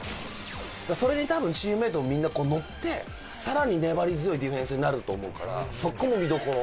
それに多分チームメイトもみんなこう乗って更に粘り強いディフェンスになると思うからそこも見どころ。